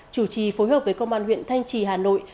chủ trì phối hợp với công an huyện thanh trì hà nội